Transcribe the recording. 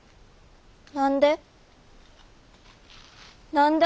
何で？